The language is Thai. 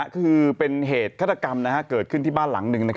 คือเป็นเหตุฆาตกรรมเกิดขึ้นที่บ้านหลังหนึ่ง